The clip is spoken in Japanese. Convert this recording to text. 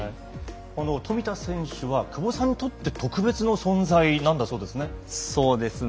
富田選手は久保さんにとって特別な存在そうですね。